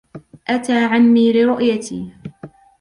أتی عمي لرؤيتي.